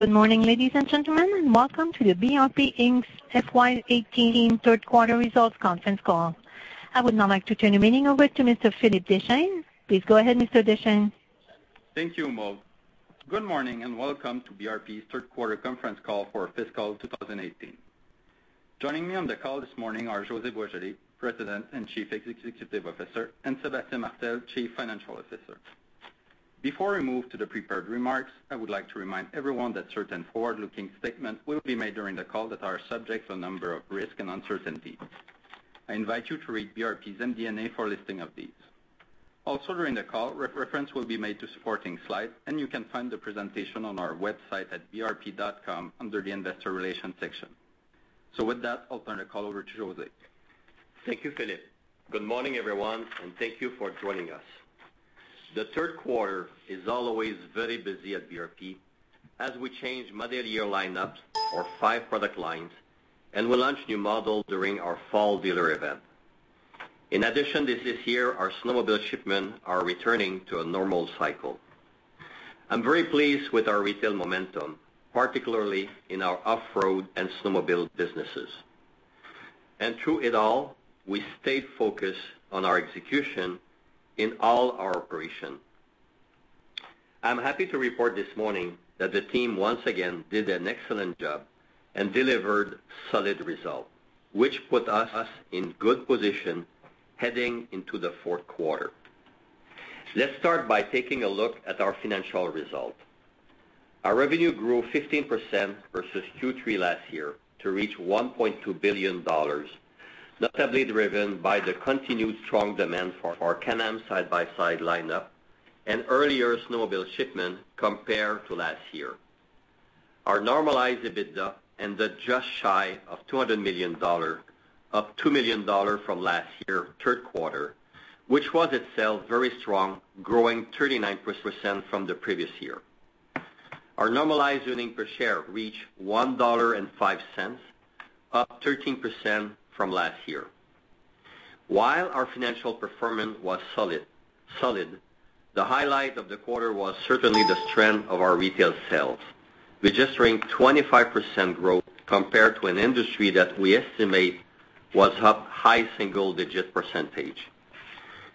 Good morning, ladies and gentlemen, and welcome to the BRP Inc.'s FY 2018 third quarter results conference call. I would now like to turn the meeting over to Mr. Philippe Deschênes. Please go ahead, Mr. Deschênes. Thank you, Mo. Good morning, and welcome to BRP's third quarter conference call for fiscal 2018. Joining me on the call this morning are José Boisjoli, President and Chief Executive Officer, and Sébastien Martel, Chief Financial Officer. Before we move to the prepared remarks, I would like to remind everyone that certain forward-looking statements will be made during the call that are subject to a number of risks and uncertainties. I invite you to read BRP's MD&A for a listing of these. Also during the call, reference will be made to supporting slides, and you can find the presentation on our website at brp.com under the investor relations section. With that, I'll turn the call over to José. Thank you, Philippe. Good morning, everyone, and thank you for joining us. The third quarter is always very busy at BRP as we change model year lineups for five product lines, and we launch new models during our fall dealer event. In addition, this year, our snowmobile shipments are returning to a normal cycle. I'm very pleased with our retail momentum, particularly in our off-road and snowmobile businesses. Through it all, we stayed focused on our execution in all our operations. I'm happy to report this morning that the team once again did an excellent job and delivered solid results, which put us in good position heading into the fourth quarter. Let's start by taking a look at our financial results. Our revenue grew 15% versus Q3 last year to reach 1.2 billion dollars, notably driven by the continued strong demand for our Can-Am side-by-side lineup and earlier snowmobile shipment compared to last year. Our normalized EBITDA ended just shy of 200 million dollars, up 2 million dollars from last year, third quarter, which was itself very strong, growing 39% from the previous year. Our normalized earnings per share reached 1.05 dollar, up 13% from last year. While our financial performance was solid, the highlight of the quarter was certainly the strength of our retail sales. We just ranked 25% growth compared to an industry that we estimate was up high single digit percentage.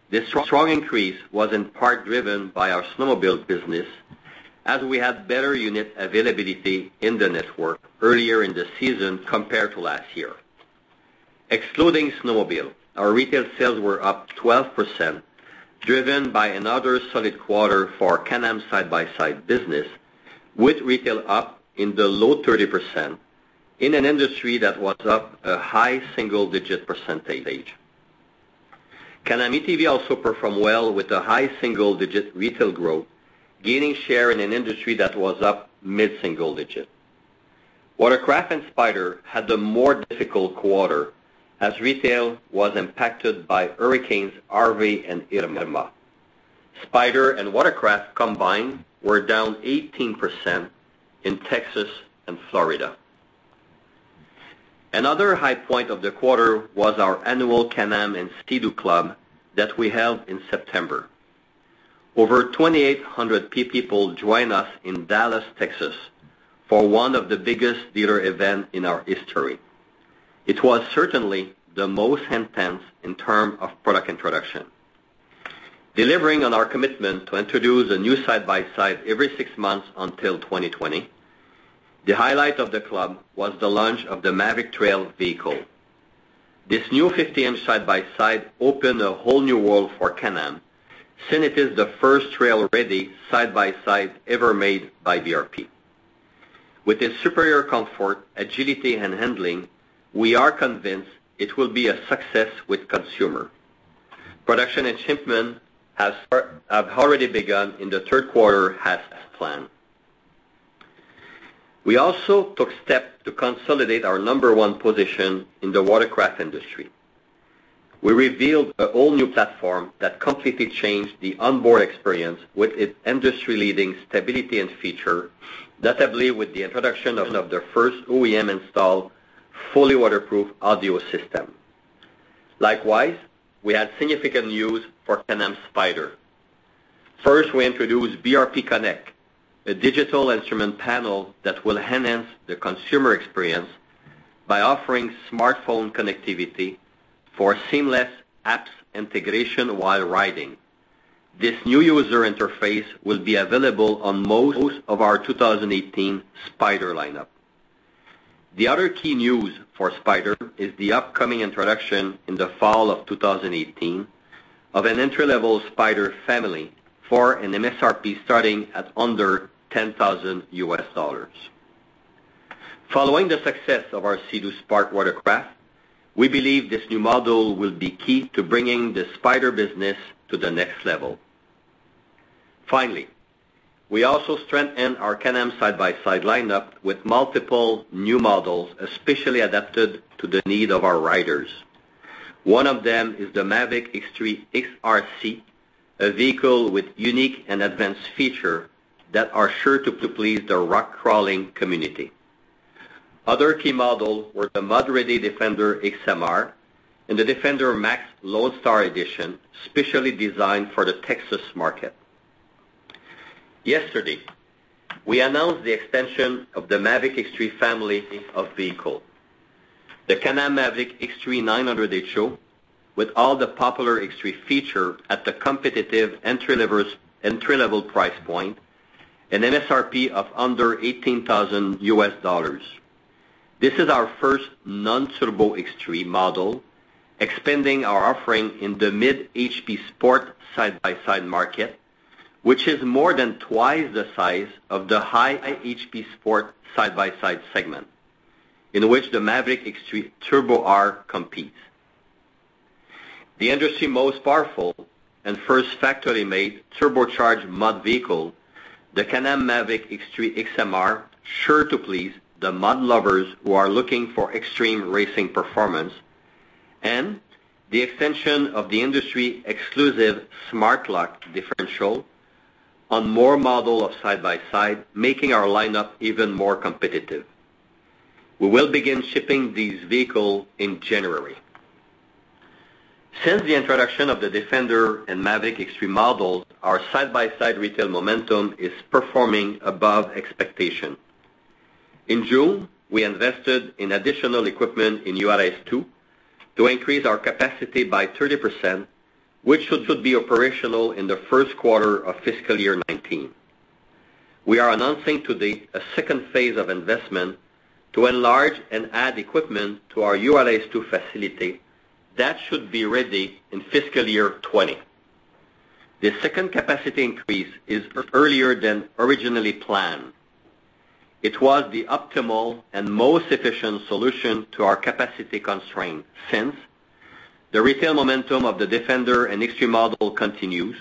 This strong increase was in part driven by our snowmobile business as we had better unit availability in the network earlier in the season compared to last year. Excluding snowmobile, our retail sales were up 12%, driven by another solid quarter for Can-Am side-by-side business, with retail up in the low 30% in an industry that was up a high single-digit percentage. Can-Am ATV also performed well with a high single-digit retail growth, gaining share in an industry that was up mid-single digit. Watercraft and Spyder had a more difficult quarter as retail was impacted by hurricanes Harvey and Irma. Spyder and Watercraft combined were down 18% in Texas and Florida. Another high point of the quarter was our annual Can-Am and Sea-Doo club that we held in September. Over 2,800 people joined us in Dallas, Texas, for one of the biggest dealer events in our history. It was certainly the most intense in terms of product introduction. Delivering on our commitment to introduce a new side-by-side every six months until 2020, the highlight of the club was the launch of the Maverick Trail vehicle. This new 1,500 side-by-side opened a whole new world for Can-Am, since it is the first trail-ready side-by-side ever made by BRP. With its superior comfort, agility, and handling, we are convinced it will be a success with consumer. Production and shipment have already begun in the third quarter as planned. We also took steps to consolidate our number one position in the watercraft industry. We revealed an all-new platform that completely changed the onboard experience with its industry-leading stability and feature, notably with the introduction of the first OEM-installed, fully waterproof audio system. Likewise, we had significant news for Can-Am Spyder. First, we introduced BRP Connect, a digital instrument panel that will enhance the consumer experience by offering smartphone connectivity for seamless apps integration while riding. This new user interface will be available on most of our 2018 Spyder lineup. The other key news for Spyder is the upcoming introduction in the fall of 2018 of an entry-level Spyder family for an MSRP starting at under $10,000 U.S. Following the success of our Sea-Doo SPARK watercraft, we believe this new model will be key to bringing the Spyder business to the next level. Finally, we also strengthened our Can-Am side-by-side lineup with multiple new models, especially adapted to the need of our riders. One of them is the Maverick X3 X rc, a vehicle with unique and advanced feature that are sure to please the rock crawling community. Other key models were the mud-ready Defender X mr and the Defender MAX Lone Star edition, specially designed for the Texas market. Yesterday, we announced the extension of the Maverick X3 family of vehicle. The Can-Am Maverick X3 900 H.O., with all the popular X3 feature at the competitive entry-level price point, an MSRP of under $18,000. This is our first non-turbo X3 model, expanding our offering in the mid HP sport side-by-side market, which is more than twice the size of the high HP sport side-by-side segment in which the Maverick X3 Turbo R competes. The industry most powerful and first factory-made turbocharged mud vehicle, the Can-Am Maverick X3 X mr, sure to please the mud lovers who are looking for extreme racing performance and the extension of the industry exclusive Smart-Lok differential on more models of side-by-side, making our lineup even more competitive. We will begin shipping these vehicles in January. Since the introduction of the Defender and Maverick X3 models, our side-by-side retail momentum is performing above expectation. In June, we invested in additional equipment in Juárez 2 to increase our capacity by 30%, which should be operational in the first quarter of fiscal year 2019. We are announcing today a second phase of investment to enlarge and add equipment to our Juárez 2 facility that should be ready in fiscal year 2020. The second capacity increase is earlier than originally planned. It was the optimal and most efficient solution to our capacity constraint since the retail momentum of the Defender and X3 model continues.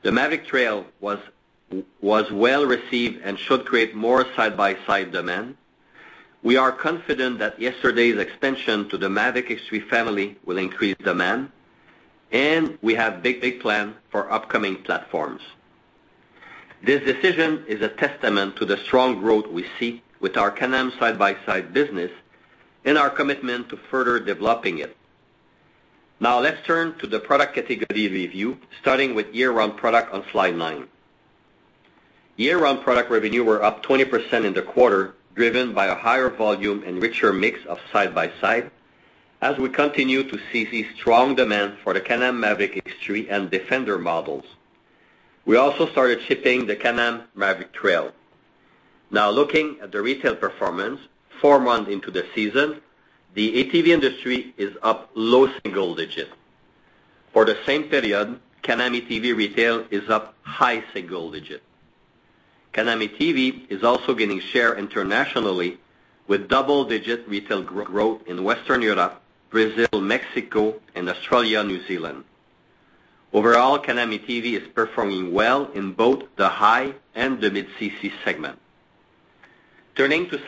The Maverick Trail was well-received and should create more side-by-side demand. We are confident that yesterday's extension to the Maverick X3 family will increase demand, and we have big plan for upcoming platforms. This decision is a testament to the strong growth we see with our Can-Am side-by-side business and our commitment to further developing it. Let's turn to the product category review, starting with year-round product on slide nine. Year-round product revenue were up 20% in the quarter, driven by a higher volume and richer mix of side-by-side as we continue to see the strong demand for the Can-Am Maverick X3 and Defender models. We also started shipping the Can-Am Maverick Trail. Looking at the retail performance four months into the season, the ATV industry is up low single digit. For the same period, Can-Am ATV retail is up high single digit. Can-Am ATV is also gaining share internationally with double-digit retail growth in Western Europe, Brazil, Mexico and Australia, New Zealand. Can-Am ATV is performing well in both the high and the mid CC segment. Turning to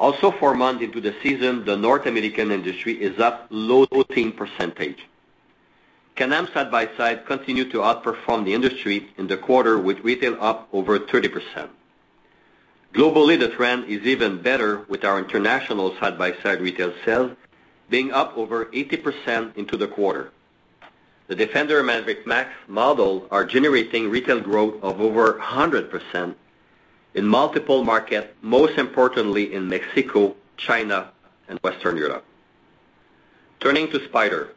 side-by-side. Four months into the season, the North American industry is up low teen percentage. Can-Am side-by-side continued to outperform the industry in the quarter with retail up over 30%. Globally, the trend is even better with our international side-by-side retail sales being up over 80% into the quarter. The Defender and Maverick MAX models are generating retail growth of over 100% in multiple market, most importantly in Mexico, China and Western Europe. Turning to Spyder.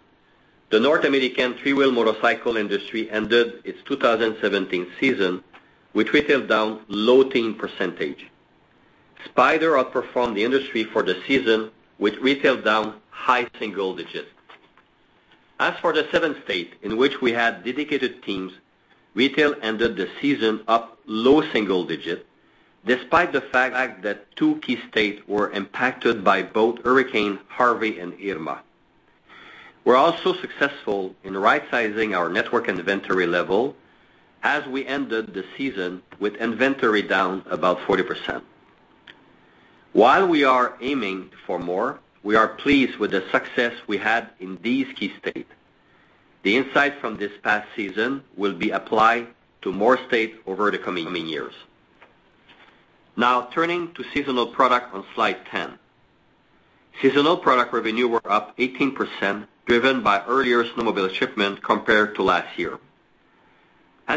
The North American three-wheel motorcycle industry ended its 2017 season with retail down low teen percentage. Spyder outperformed the industry for the season with retail down high single digit. As for the seven states in which we had dedicated teams, retail ended the season up low single digit, despite the fact that two key states were impacted by both Hurricane Harvey and Hurricane Irma. We're also successful in right-sizing our network inventory level as we ended the season with inventory down about 40%. While we are aiming for more, we are pleased with the success we had in these key states. The insight from this past season will be applied to more states over the coming years. Turning to seasonal product on slide 10. Seasonal product revenue were up 18%, driven by earlier snowmobile shipments compared to last year.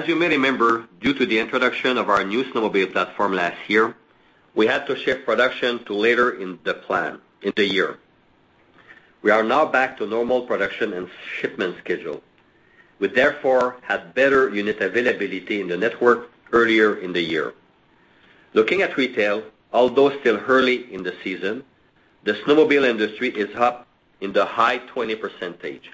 You may remember, due to the introduction of our new snowmobile platform last year, we had to shift production to later in the year. We had better unit availability in the network earlier in the year. Looking at retail, although still early in the season, the snowmobile industry is up in the high 20 percentage.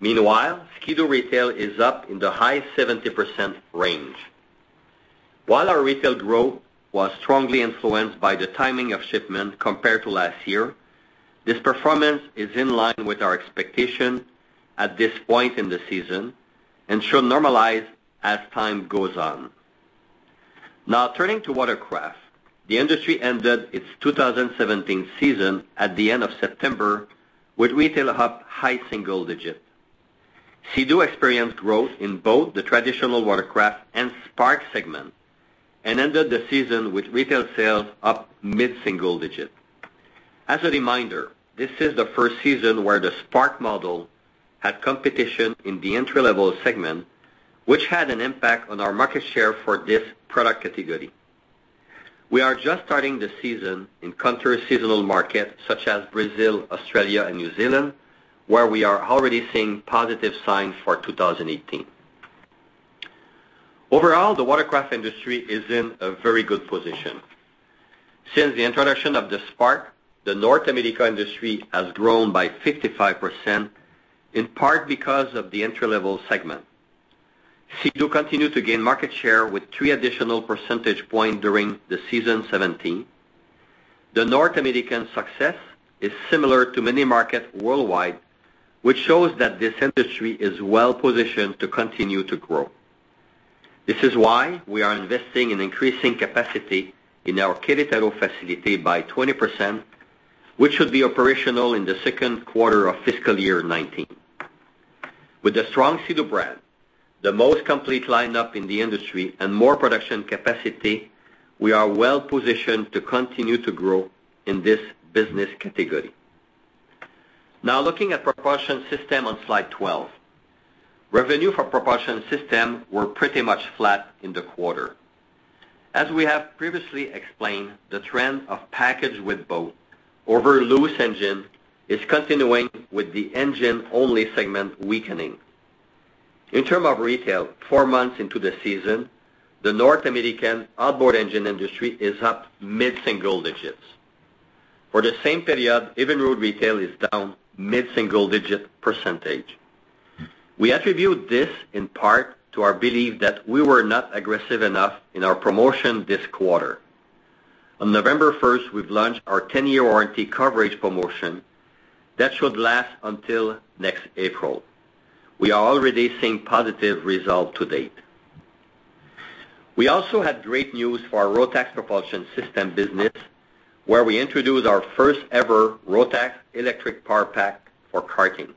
Ski-Doo retail is up in the high 70% range. Our retail growth was strongly influenced by the timing of shipment compared to last year, this performance is in line with our expectation at this point in the season and should normalize as time goes on. Turning to Watercraft. The industry ended its 2017 season at the end of September with retail up high single-digit. Sea-Doo experienced growth in both the traditional watercraft and SPARK segments and ended the season with retail sales up mid-single-digit. As a reminder, this is the first season where the SPARK model had competition in the entry-level segment, which had an impact on our market share for this product category. We are just starting the season in counter-seasonal markets such as Brazil, Australia, and New Zealand, where we are already seeing positive signs for 2018. The watercraft industry is in a very good position. Since the introduction of the SPARK, the North American industry has grown by 55%, in part because of the entry-level segment. Sea-Doo continued to gain market share with three additional percentage points during the season 2017. The North American success is similar to many markets worldwide, which shows that this industry is well-positioned to continue to grow. This is why we are investing in increasing capacity in our Querétaro facility by 20%, which should be operational in the second quarter of fiscal year 2019. With the strong Sea-Doo brand, the most complete lineup in the industry, and more production capacity, we are well-positioned to continue to grow in this business category. Looking at propulsion systems on slide 12. Revenue for propulsion systems were pretty much flat in the quarter. We have previously explained, the trend of package with boat over loose engine is continuing, with the engine-only segment weakening. In terms of retail, four months into the season, the North American outboard engine industry is up mid-single-digits. For the same period, Evinrude retail is down mid-single-digit percentage. We attribute this in part to our belief that we were not aggressive enough in our promotion this quarter. On November 1st, we've launched our 10-year warranty coverage promotion that should last until next April. We are already seeing positive results to date. We also had great news for our Rotax propulsion system business, where we introduced our first-ever Rotax electric power pack for karting.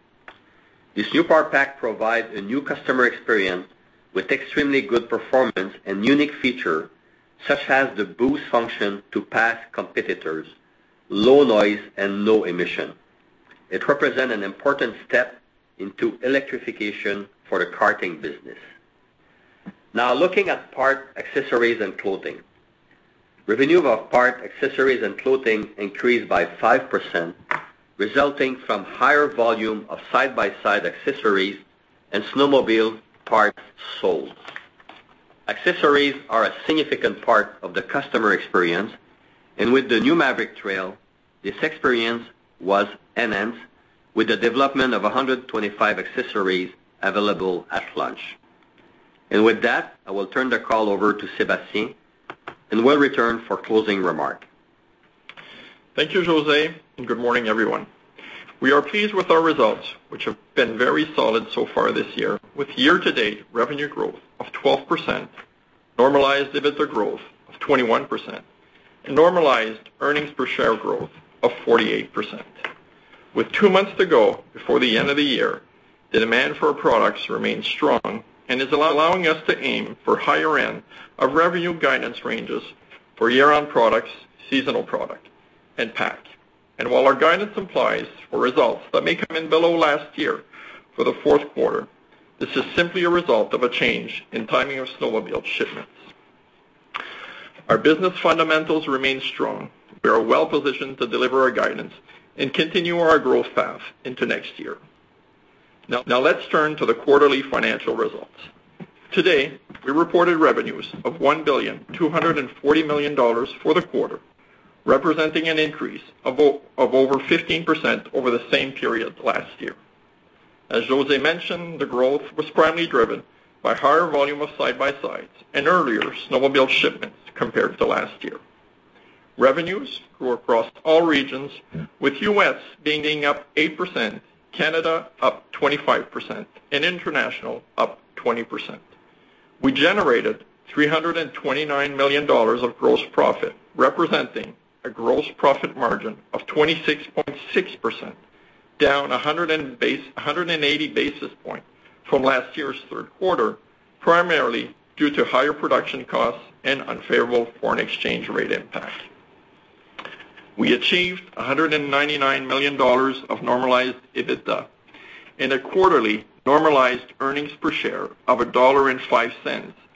This new power pack provides a new customer experience with extremely good performance and unique features, such as the boost function to pass competitors, low noise, and low emission. It represents an important step into electrification for the karting business. Looking at Parts, Accessories, and Clothing. Revenue of Parts, Accessories, and Clothing increased by 5%, resulting from higher volume of side-by-side accessories and snowmobile parts sold. Accessories are a significant part of the customer experience, and with the new Maverick Trail, this experience was enhanced with the development of 125 accessories available at launch. With that, I will turn the call over to Sébastien, and will return for closing remarks. Thank you, José, and good morning, everyone. We are pleased with our results, which have been very solid so far this year, with year-to-date revenue growth of 12%, normalized EBITDA growth of 21%, and normalized earnings per share growth of 48%. With two months to go before the end of the year, the demand for our products remains strong and is allowing us to aim for the higher end of revenue guidance ranges for year-round products, seasonal products, and PA&C. While our guidance implies for results that may come in below last year for the fourth quarter, this is simply a result of a change in timing of snowmobile shipments. Our business fundamentals remain strong. We are well positioned to deliver our guidance and continue our growth path into next year. Let's turn to the quarterly financial results. Today, we reported revenues of 1.24 billion for the quarter, representing an increase of over 15% over the same period last year. As José mentioned, the growth was primarily driven by higher volume of side-by-sides and earlier snowmobile shipments compared to last year. Revenues grew across all regions, with the U.S. being up 8%, Canada up 25%, and international up 20%. We generated 329 million dollars of gross profit, representing a gross profit margin of 26.6%, down 180 basis points from last year's third quarter, primarily due to higher production costs and unfavorable foreign exchange rate impact. We achieved 199 million dollars of normalized EBITDA and a quarterly normalized earnings per share of 1.05 dollar,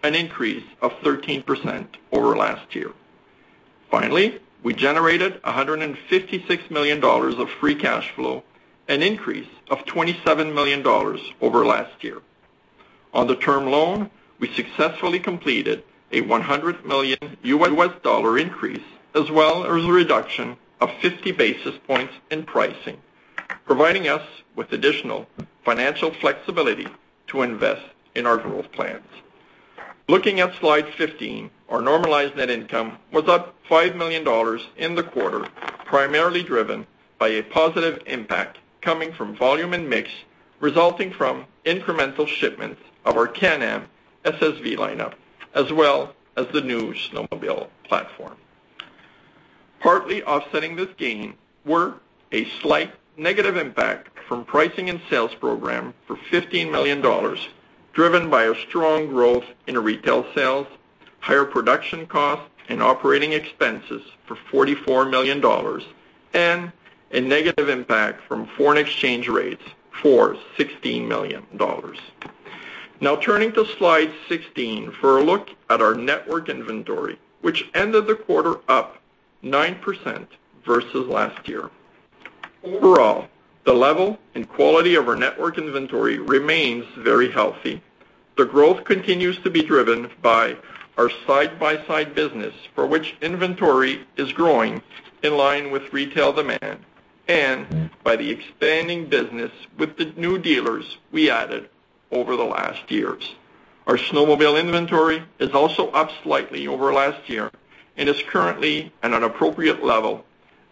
an increase of 13% over last year. Finally, we generated 156 million dollars of free cash flow, an increase of 27 million dollars over last year. On the term loan, we successfully completed a $100 million U.S. increase, as well as a reduction of 50 basis points in pricing, providing us with additional financial flexibility to invest in our growth plans. Looking at slide 15, our normalized net income was up 5 million dollars in the quarter, primarily driven by a positive impact coming from volume and mix, resulting from incremental shipments of our Can-Am SSV lineup, as well as the new snowmobile platform. Partly offsetting this gain were a slight negative impact from pricing and sales program for 15 million dollars, driven by a strong growth in retail sales, higher production costs and operating expenses for 44 million dollars, and a negative impact from foreign exchange rates for 16 million dollars. Turning to slide 16 for a look at our network inventory, which ended the quarter up 9% versus last year. Overall, the level and quality of our network inventory remains very healthy. The growth continues to be driven by our side-by-side business, for which inventory is growing in line with retail demand and by the expanding business with the new dealers we added over the last years. Our snowmobile inventory is also up slightly over last year and is currently at an appropriate level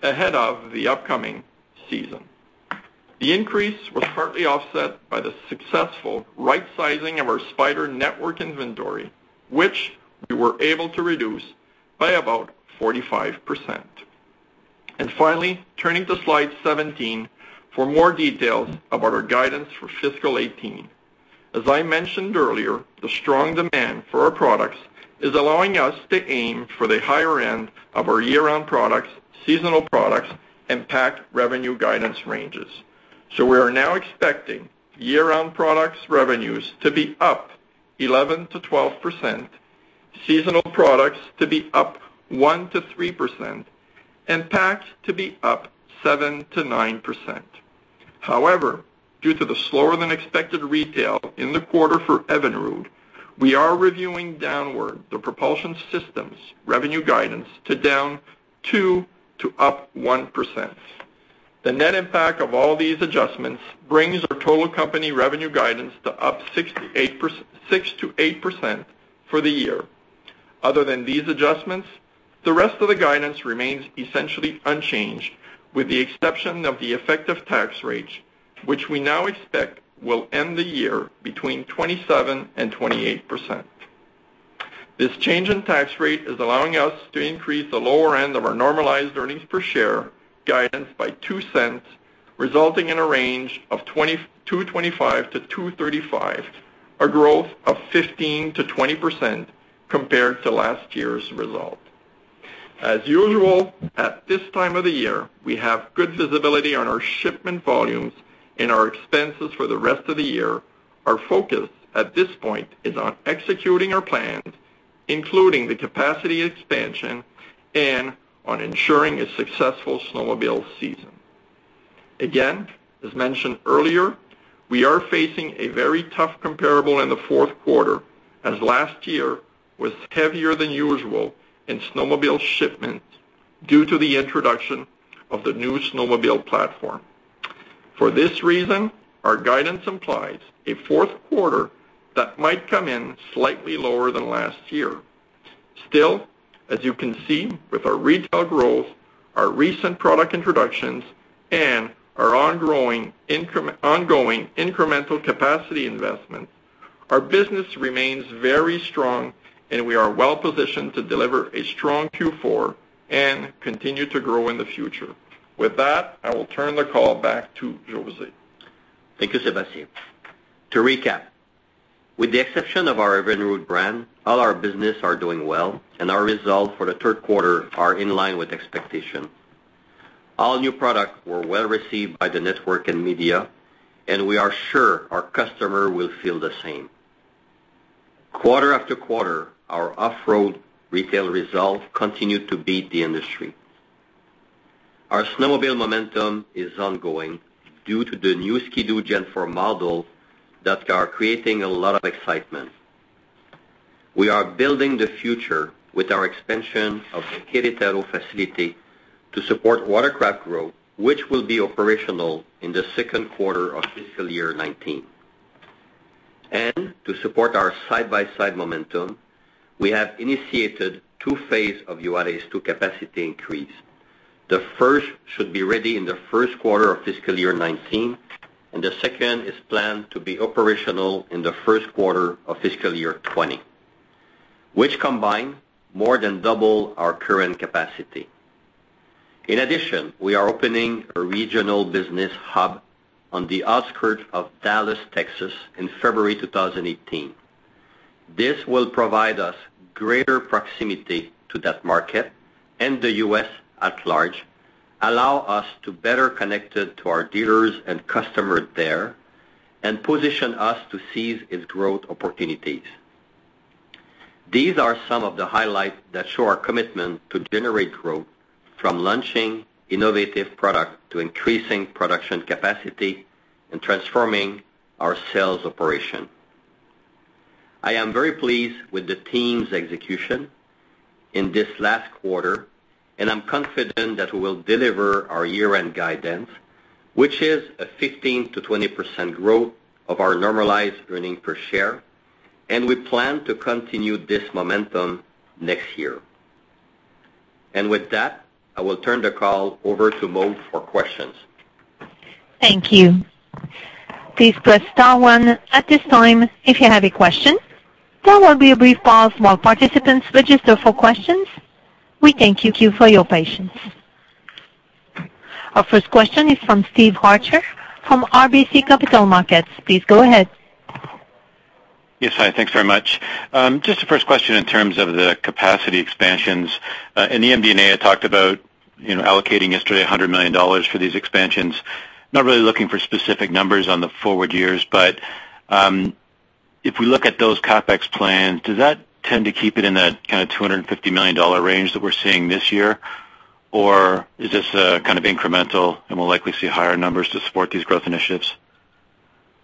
ahead of the upcoming season. The increase was partly offset by the successful right-sizing of our Spyder network inventory, which we were able to reduce by about 45%. Finally, turning to slide 17 for more details about our guidance for FY 2018. As I mentioned earlier, the strong demand for our products is allowing us to aim for the higher end of our year-round products, seasonal products, and PA&C revenue guidance ranges. We are now expecting year-round products revenues to be up 11%-12%, seasonal products to be up 1%-3%, and PA&C to be up 7%-9%. However, due to the slower-than-expected retail in the quarter for Evinrude, we are reviewing downward the propulsion systems revenue guidance to -2% to 1%. The net impact of all these adjustments brings our total company revenue guidance to up 6%-8% for the year. Other than these adjustments, the rest of the guidance remains essentially unchanged, with the exception of the effective tax rate, which we now expect will end the year between 27% and 28%. This change in tax rate is allowing us to increase the lower end of our normalized earnings per share guidance by 0.02, resulting in a range of 2.25-2.35, a growth of 15%-20% compared to last year's result. As usual, at this time of the year, we have good visibility on our shipment volumes and our expenses for the rest of the year. Our focus at this point is on executing our plans, including the capacity expansion and on ensuring a successful snowmobile season. Again, as mentioned earlier, we are facing a very tough comparable in the fourth quarter, as last year was heavier than usual in snowmobile shipments due to the introduction of the new snowmobile platform. For this reason, our guidance implies a fourth quarter that might come in slightly lower than last year. Still, as you can see with our retail growth, our recent product introductions, and our ongoing incremental capacity investments, our business remains very strong, and we are well-positioned to deliver a strong Q4 and continue to grow in the future. With that, I will turn the call back to José. Thank you, Sébastien. To recap, with the exception of our Evinrude brand, all our businesses are doing well, and our results for the third quarter are in line with expectations. All new products were well received by the network and media, and we are sure our customers will feel the same. Quarter after quarter, our off-road retail results continue to beat the industry. Our snowmobile momentum is ongoing due to the new Ski-Doo Gen4 model that are creating a lot of excitement. We are building the future with our expansion of the Querétaro facility to support watercraft growth, which will be operational in the second quarter of fiscal year 2019. To support our side-by-side momentum, we have initiated 2 phases of Juárez 2 capacity increase. The first should be ready in the first quarter of fiscal year 2019, the second is planned to be operational in the first quarter of fiscal year 2020, which combined more than double our current capacity. In addition, we are opening a regional business hub on the outskirts of Dallas, Texas in February 2018. This will provide us greater proximity to that market and the U.S. at large, allow us to be better connected to our dealers and customers there, and position us to seize its growth opportunities. These are some of the highlights that show our commitment to generate growth from launching innovative products to increasing production capacity and transforming our sales operation. I am very pleased with the team's execution in this last quarter, I'm confident that we will deliver our year-end guidance, which is a 15%-20% growth of our normalized earning per share, we plan to continue this momentum next year. With that, I will turn the call over to Mo for questions. Thank you. Please press star one at this time if you have a question. There will be a brief pause while participants register for questions. We thank you for your patience. Our first question is from Steve Arthur from RBC Capital Markets. Please go ahead. Yes, hi. Thanks very much. Just the first question in terms of the capacity expansions. In the MD&A, talked about allocating yesterday 100 million dollars for these expansions. Not really looking for specific numbers on the forward years, but, if we look at those CapEx plans, does that tend to keep it in that kind of 250 million dollar range that we're seeing this year? Is this kind of incremental, and we'll likely see higher numbers to support these growth initiatives?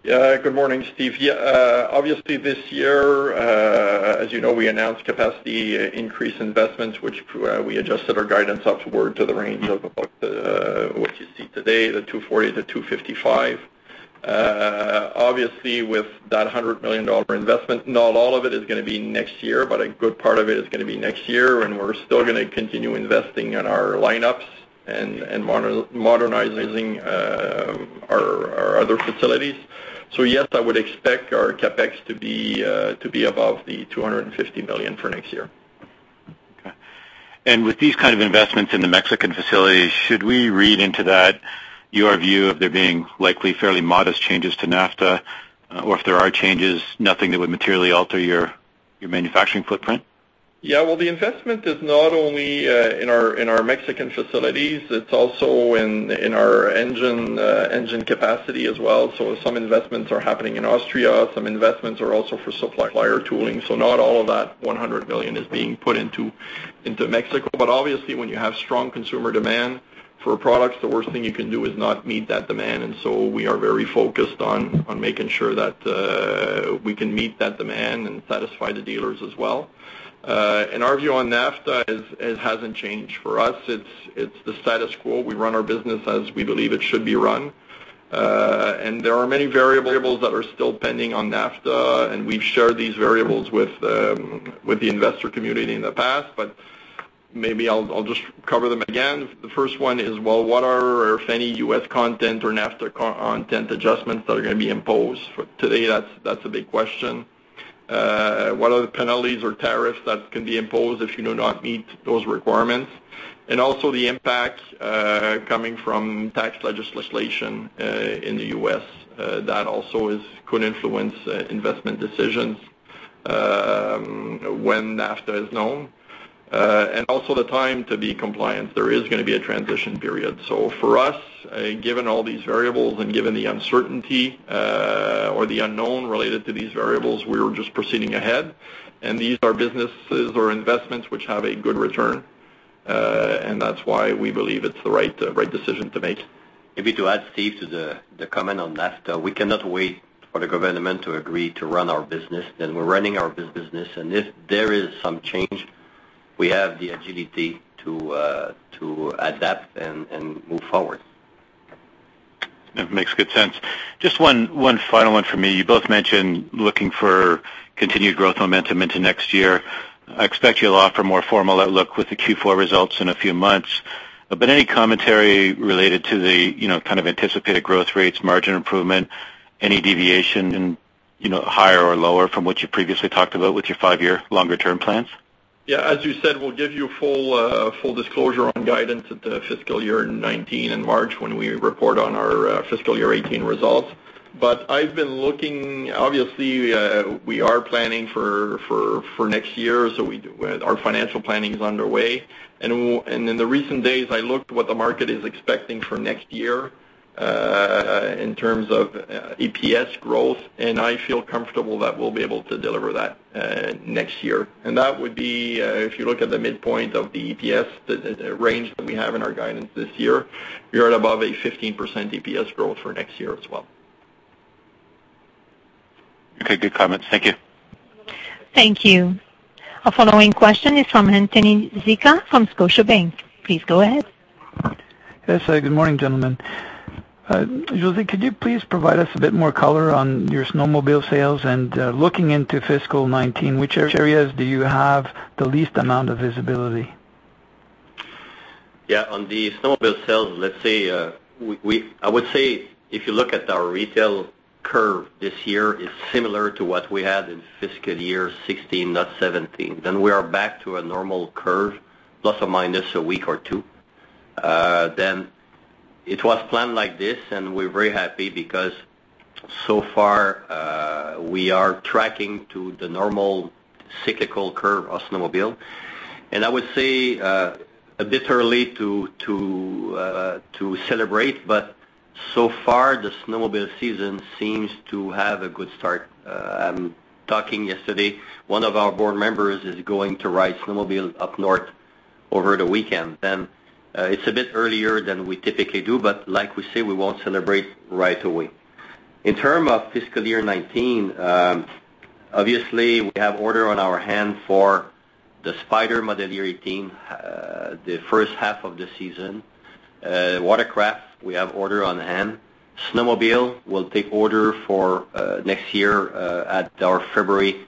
Yeah. Good morning, Steve. Obviously, this year, as you know, we announced capacity increase investments, which we adjusted our guidance upward to the range of about what you see today, the 240 million-255 million. Obviously, with that 100 million dollar investment, a good part of it is going to be next year, We're still going to continue investing in our lineups and modernizing our other facilities. Yes, I would expect our CapEx to be above the 250 million for next year. Okay. With these kind of investments in the Mexican facilities, should we read into that your view of there being likely fairly modest changes to NAFTA? Or if there are changes, nothing that would materially alter your manufacturing footprint? Yeah. Well, the investment is not only in our Mexican facilities, it's also in our engine capacity as well. Some investments are happening in Austria. Some investments are also for supplier tooling. Not all of that 100 million is being put into Mexico. Obviously, when you have strong consumer demand for products, the worst thing you can do is not meet that demand. We are very focused on making sure that we can meet that demand and satisfy the dealers as well. Our view on NAFTA, it hasn't changed for us. It's the status quo. We run our business as we believe it should be run. There are many variables that are still pending on NAFTA, and we've shared these variables with the investor community in the past, but maybe I'll just cover them again. The first one is, well, what are, if any, U.S. content or NAFTA content adjustments that are going to be imposed? For today, that's a big question. What are the penalties or tariffs that can be imposed if you do not meet those requirements? Also the impact coming from tax legislation in the U.S. That also could influence investment decisions when NAFTA is known. Also the time to be compliant. There is going to be a transition period. For us, given all these variables and given the uncertainty, or the unknown related to these variables, we're just proceeding ahead. These are businesses or investments which have a good return, and that's why we believe it's the right decision to make. Maybe to add, Steve, to the comment on NAFTA. We cannot wait for the government to agree to run our business. We're running our business, and if there is some change, we have the agility to adapt and move forward. That makes good sense. Just one final one for me. You both mentioned looking for continued growth momentum into next year. I expect you will offer a more formal outlook with the Q4 results in a few months. Any commentary related to the kind of anticipated growth rates, margin improvement, any deviation, higher or lower from what you previously talked about with your five-year longer term plans? Yeah. As you said, we will give you full disclosure on guidance at the fiscal year 2019 in March when we report on our fiscal year 2018 results. I have been looking, obviously, we are planning for next year, our financial planning is underway. In the recent days, I looked what the market is expecting for next year, in terms of EPS growth, I feel comfortable that we will be able to deliver that next year. That would be, if you look at the midpoint of the EPS range that we have in our guidance this year, we are at above a 15% EPS growth for next year as well. Okay. Good comments. Thank you. Thank you. Our following question is from Anthony Zicha from Scotiabank. Please go ahead. Yes. Good morning, gentlemen. José, could you please provide us a bit more color on your snowmobile sales and looking into fiscal 2019, which areas do you have the least amount of visibility? On the snowmobile sales, I would say if you look at our retail curve this year, it's similar to what we had in fiscal year 2016, not 2017. We are back to a normal curve, plus or minus a week or two. It was planned like this, and we're very happy because so far, we are tracking to the normal cyclical curve of snowmobile. I would say a bit early to celebrate, but so far, the snowmobile season seems to have a good start. Talking yesterday, one of our board members is going to ride snowmobile up north over the weekend. It's a bit earlier than we typically do, but like we say, we won't celebrate right away. In terms of fiscal year 2019, obviously we have order on our hand for the Spyder model year 2018, the first half of the season. Watercraft, we have order on hand. Snowmobile will take order for next year at our February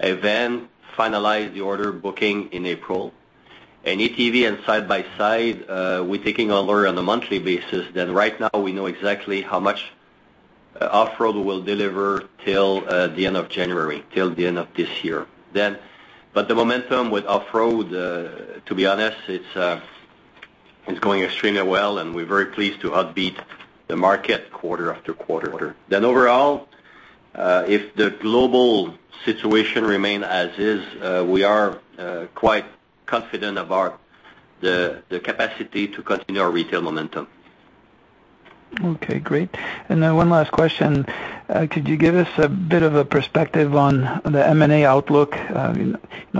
event, finalize the order booking in April. ATV and side-by-side, we're taking orders on a monthly basis. Right now we know exactly how much off-road will deliver till the end of January, till the end of this year. The momentum with off-road, to be honest, it's going extremely well, and we're very pleased to outbeat the market quarter after quarter. Overall, if the global situation remains as is, we are quite confident about the capacity to continue our retail momentum. Okay, great. One last question. Could you give us a bit of a perspective on the M&A outlook?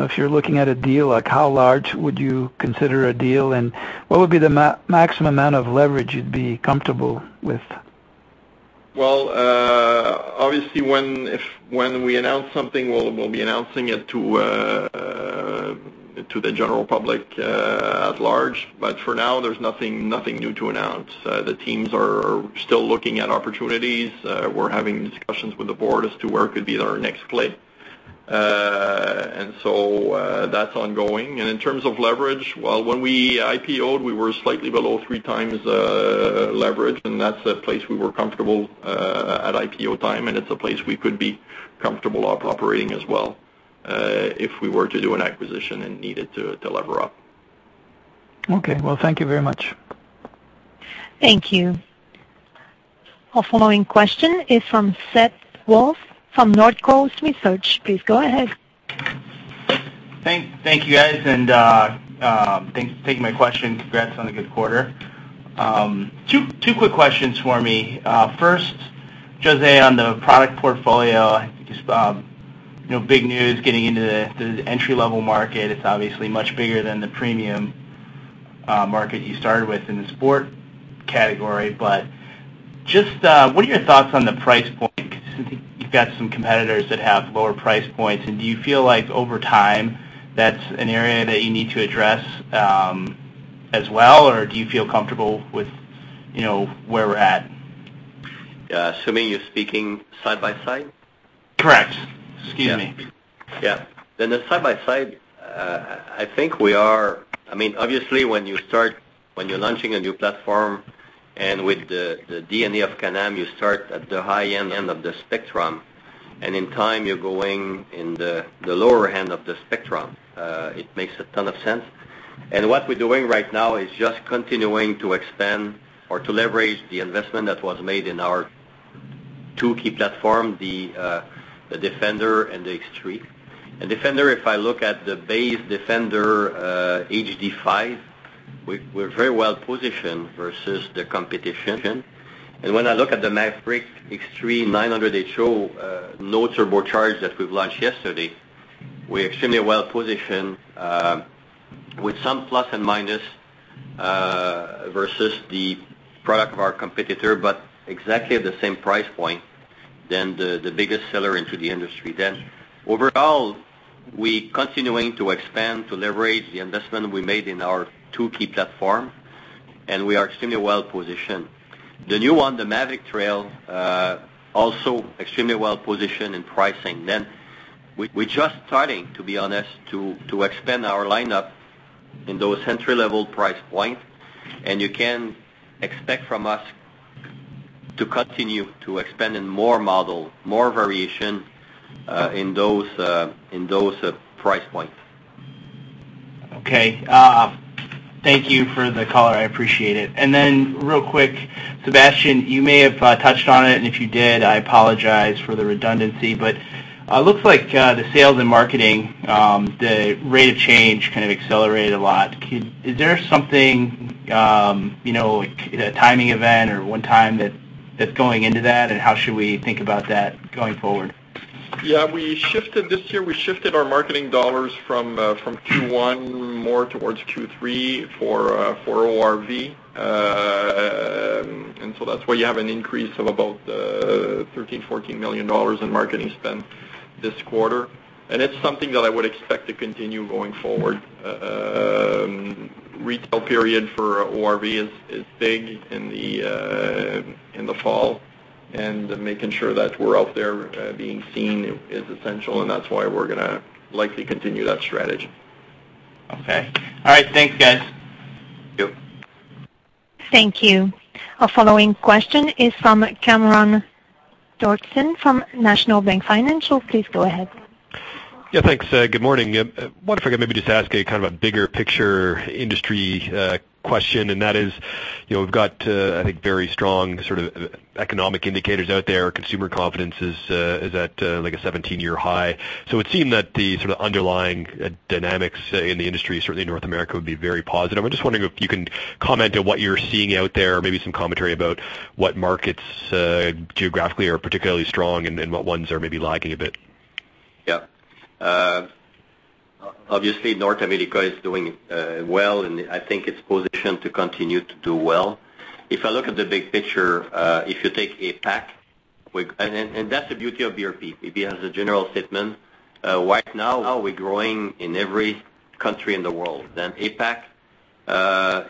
If you're looking at a deal, how large would you consider a deal, and what would be the maximum amount of leverage you'd be comfortable with? Obviously, when we announce something, we'll be announcing it to the general public at large. For now, there's nothing new to announce. The teams are still looking at opportunities. We're having discussions with the board as to where could be our next play. That's ongoing. In terms of leverage, when we IPO'd, we were slightly below three times leverage, and that's a place we were comfortable at IPO time, and it's a place we could be comfortable operating as well, if we were to do an acquisition and needed to lever up. Thank you very much. Thank you. Our following question is from Seth Woolf from Northcoast Research. Please go ahead. Thank you, guys, and thanks for taking my question. Congrats on a good quarter. Two quick questions for me. First, José, on the product portfolio, I think big news getting into the entry-level market. It's obviously much bigger than the premium market you started with in the sport category. Just what are your thoughts on the price point? Because you've got some competitors that have lower price points, and do you feel like over time that's an area that you need to address as well, or do you feel comfortable with where we're at? Yeah. Assuming you're speaking side-by-side? Correct. Excuse me. The side-by-side, obviously when you're launching a new platform and with the DNA of Can-Am, you start at the high end of the spectrum, and in time you're going in the lower end of the spectrum. It makes a ton of sense. What we're doing right now is just continuing to expand or to leverage the investment that was made in our two key platform, the Defender and the X3. Defender, if I look at the base Defender HD5, we're very well positioned versus the competition. When I look at the Maverick X3 900 H.O., no turbocharge that we've launched yesterday, we're extremely well positioned with some plus and minus versus the product of our competitor, but exactly at the same price point than the biggest seller into the industry. Overall, we continuing to expand to leverage the investment we made in our two key platform, and we are extremely well positioned. The new one, the Maverick Trail, also extremely well positioned in pricing. We're just starting, to be honest, to expand our lineup in those entry level price point, you can expect from us to continue to expand in more model, more variation in those price points. Okay. Thank you for the color. I appreciate it. Real quick, Sébastien, you may have touched on it, and if you did, I apologize for the redundancy, but looks like the sales and marketing, the rate of change kind of accelerated a lot. Is there something, like a timing event or one time that's going into that, and how should we think about that going forward? Yeah. This year we shifted our marketing dollars from Q1 more towards Q3 for ORV. That's why you have an increase of about 13 million dollars, CAD 14 million in marketing spend this quarter. It's something that I would expect to continue going forward. Retail period for ORV is big in the fall, and making sure that we're out there being seen is essential, and that's why we're going to likely continue that strategy. Okay. All right. Thanks, guys. Thank you. Thank you. Our following question is from Cameron Doerksen from National Bank Financial. Please go ahead. Yeah, thanks. Good morning. Wonder if I could maybe just ask a kind of a bigger picture industry question, and that is, we've got, I think, very strong sort of economic indicators out there. Consumer confidence is at a 17-year high. It seemed that the sort of underlying dynamics in the industry, certainly in North America, would be very positive. I'm just wondering if you can comment on what you're seeing out there, maybe some commentary about what markets geographically are particularly strong and what ones are maybe lagging a bit. Yeah. Obviously North America is doing well, I think it's positioned to continue to do well. If I look at the big picture, if you take APAC, that's the beauty of BRP. Maybe as a general statement, right now we're growing in every country in the world. APAC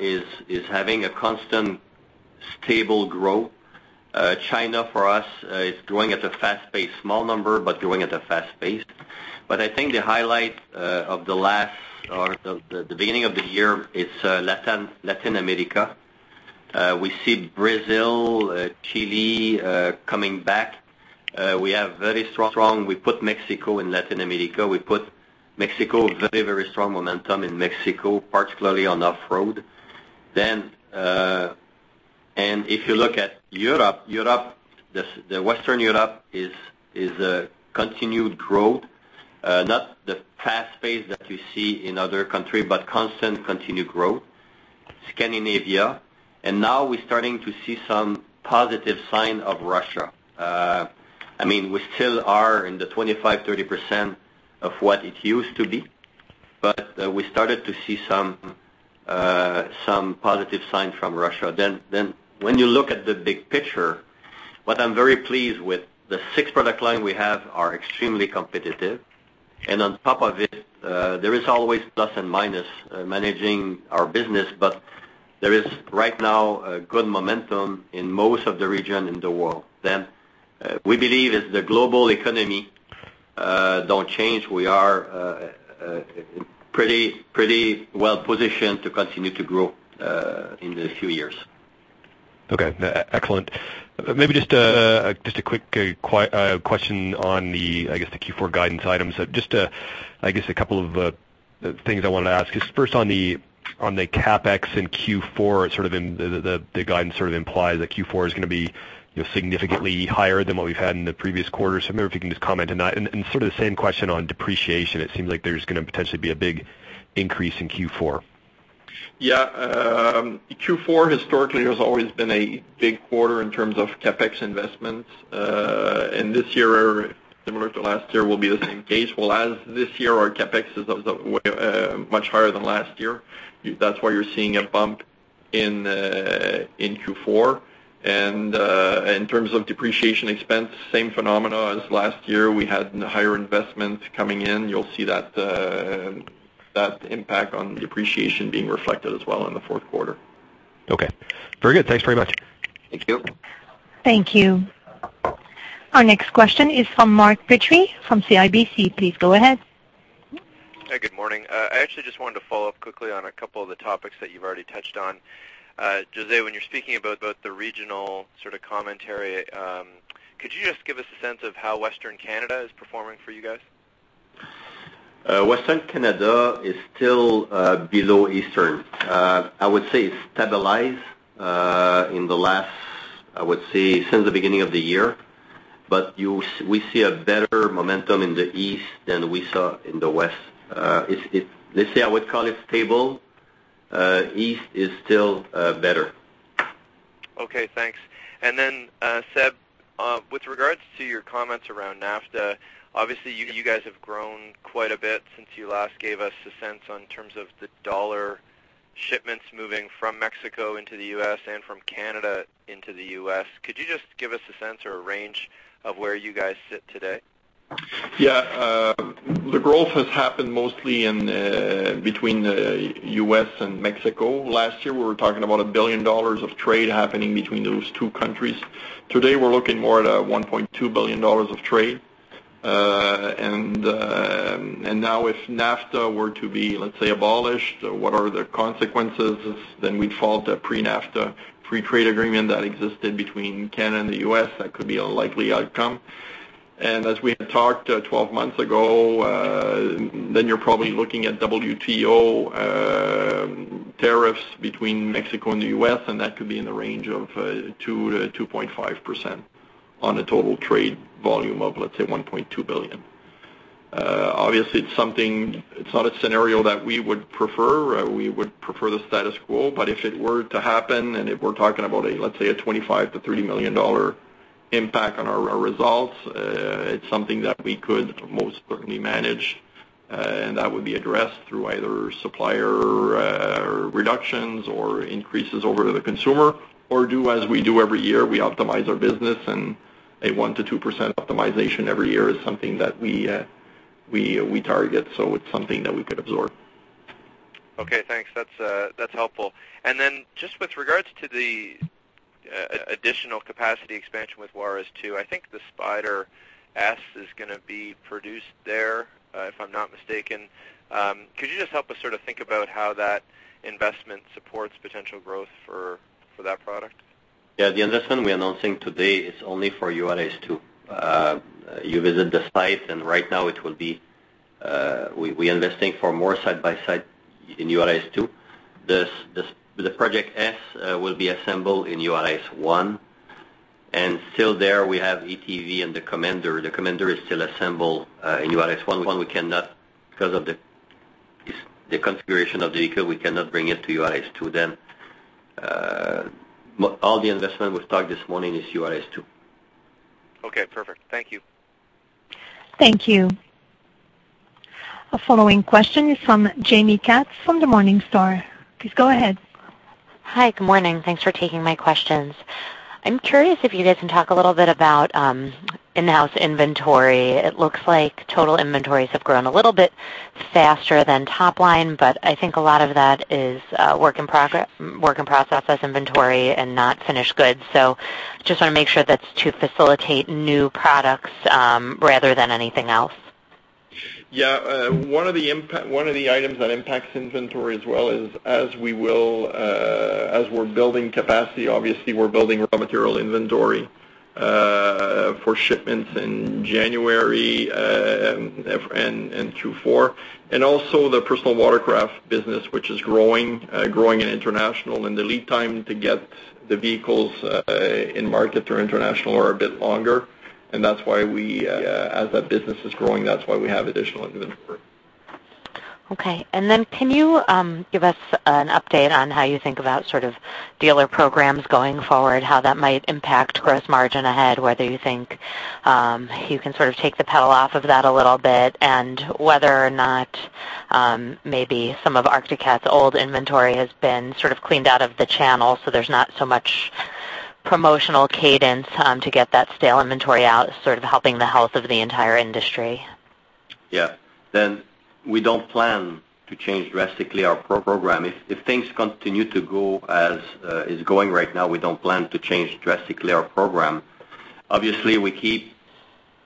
is having a constant stable growth. China, for us, is growing at a fast pace. Small number, but growing at a fast pace. I think the highlight of the beginning of the year is Latin America. We see Brazil, Chile, coming back. We have very strong. We put Mexico and Latin America. We put Mexico, very strong momentum in Mexico, particularly on off-road. If you look at Europe, Western Europe is a continued growth. Not the fast pace that you see in other country, but constant continued growth. Scandinavia, now we're starting to see some positive sign of Russia. We still are in the 25%-30% of what it used to be. We started to see some positive signs from Russia. When you look at the big picture, what I'm very pleased with, the six product line we have are extremely competitive. On top of it, there is always plus and minus, managing our business. There is right now a good momentum in most of the region in the world. We believe if the global economy don't change, we are pretty well-positioned to continue to grow in the few years. Okay. Excellent. Maybe just a quick question on the, I guess, the Q4 guidance items. Just, I guess, a couple of things I wanted to ask is first on the CapEx in Q4, the guidance sort of implies that Q4 is going to be significantly higher than what we've had in the previous quarters. I wonder if you can just comment on that. Sort of the same question on depreciation. It seems like there's going to potentially be a big increase in Q4. Yeah. Q4 historically has always been a big quarter in terms of CapEx investments. This year, similar to last year, will be the same case. Well, as this year, our CapEx is much higher than last year. That's why you're seeing a bump in Q4. In terms of depreciation expense, same phenomena as last year. We had higher investments coming in. You'll see that impact on depreciation being reflected as well in the fourth quarter. Okay. Very good. Thanks very much. Thank you. Thank you. Our next question is from Mark Petrie from CIBC. Please go ahead. Hi, good morning. I actually just wanted to follow up quickly on a couple of the topics that you've already touched on. José, when you're speaking about the regional sort of commentary, could you just give us a sense of how Western Canada is performing for you guys? Western Canada is still below Eastern. I would say it stabilized in the last, since the beginning of the year. We see a better momentum in the East than we saw in the West. Let's say I would call it stable. East is still better. Okay, thanks. Sébastien, with regards to your comments around NAFTA, obviously you guys have grown quite a bit since you last gave us a sense on terms of the dollar shipments moving from Mexico into the U.S. and from Canada into the U.S. Could you just give us a sense or a range of where you guys sit today? Yeah. The growth has happened mostly in between the U.S. and Mexico. Last year, we were talking about 1 billion dollars of trade happening between those two countries. Today, we're looking more at a 1.2 billion dollars of trade. Now, if NAFTA were to be, let's say, abolished, what are the consequences? We'd fall to pre-NAFTA free trade agreement that existed between Canada and the U.S. That could be a likely outcome. As we had talked 12 months ago, you're probably looking at WTO tariffs between Mexico and the U.S., and that could be in the range of 2%-2.5% on a total trade volume of, let's say, 1.2 billion. Obviously, it's not a scenario that we would prefer. We would prefer the status quo, but if it were to happen, if we're talking about, let's say, a 25 million-30 million dollar impact on our results, it's something that we could most certainly manage. That would be addressed through either supplier reductions or increases over to the consumer. Do as we do every year. We optimize our business. A 1%-2% optimization every year is something that we target. It's something that we could absorb. Okay, thanks. That's helpful. Then just with regards to the additional capacity expansion with Juárez 2, I think the Spyder S is going to be produced there, if I'm not mistaken. Could you just help us sort of think about how that investment supports potential growth for that product? Yeah. The investment we are announcing today is only for Juárez 2. You visit the site, and right now, we are investing for more side-by-side in Juárez 2. The Project S will be assembled in Juarez 1. Still there, we have ATV and the Commander. The Commander is still assembled in Juarez 1. Because of the configuration of the vehicle, we cannot bring it to Juárez 2. All the investment we talked this morning is Juárez 2. Okay, perfect. Thank you. Thank you. Our following question is from Jaime Katz from Morningstar. Please go ahead. Hi. Good morning. Thanks for taking my questions. I'm curious if you guys can talk a little bit about in-house inventory. It looks like total inventories have grown a little bit faster than top line, but I think a lot of that is work-in-process inventory and not finished goods. Just want to make sure that's to facilitate new products rather than anything else. Yeah. One of the items that impacts inventory as well is as we're building capacity, obviously, we're building raw material inventory for shipments in January and through Q4. Also the personal watercraft business, which is growing and international, and the lead time to get the vehicles in market or international are a bit longer. That's why we, as that business is growing, that's why we have additional inventory. Okay. Can you give us an update on how you think about dealer programs going forward, how that might impact gross margin ahead, whether you think you can sort of take the pedal off of that a little bit, and whether or not maybe some of Arctic Cat's old inventory has been sort of cleaned out of the channel, so there's not so much promotional cadence to get that stale inventory out, sort of helping the health of the entire industry? Yeah. We don't plan to change drastically our program. If things continue to go as is going right now, we don't plan to change drastically our program. We keep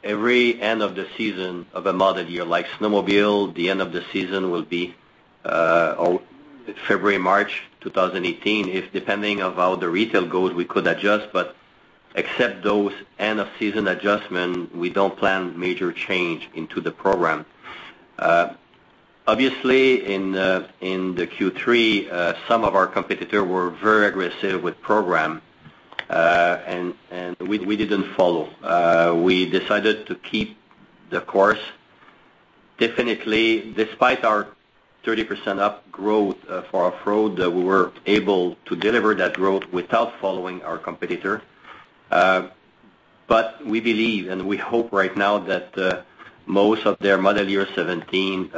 every end of the season of a model year, like snowmobile, the end of the season will be February, March 2018. Depending of how the retail goes, we could adjust, but except those end-of-season adjustment, we don't plan major change into the program. In the Q3, some of our competitor were very aggressive with program, and we didn't follow. We decided to keep the course. Definitely, despite our 30% up growth for off-road, we were able to deliver that growth without following our competitor. We believe and we hope right now that most of their model year 2017